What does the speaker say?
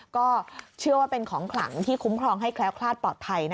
ก็เชื่อว่าเป็นของขลังที่คุ้มครองให้แคล้วคลาดปลอดภัย